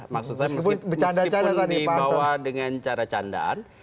maksud saya meskipun dibawa dengan cara candaan